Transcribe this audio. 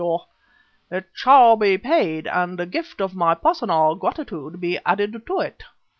It shall be paid and the gift of my personal gratitude be added to it."